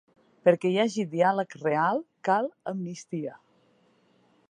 Perquè hi hagi diàleg real cal amnistia.